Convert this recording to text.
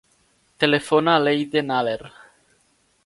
Telefona a l'Eiden Aller.